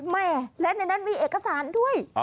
แม่และในนั้นมีเอกสารด้วย